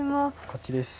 こっちです。